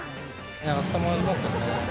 暑さもありますよね。